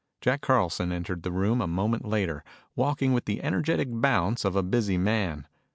Jack Carlson entered the room a moment later, walking with the energetic bounce of a busy man.